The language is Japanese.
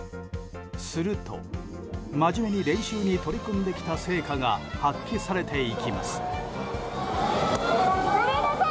すると、真面目に練習に取り組んできた成果が発揮されていきます。